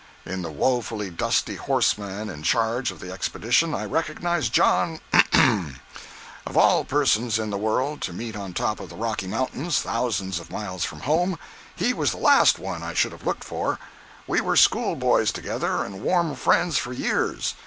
In the wofully dusty horseman in charge of the expedition I recognized John ——. Of all persons in the world to meet on top of the Rocky Mountains thousands of miles from home, he was the last one I should have looked for. We were school boys together and warm friends for years.